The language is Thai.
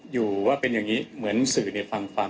อยู่ว่าเป็นอย่างนี้เหมือนสื่อฟังฟัง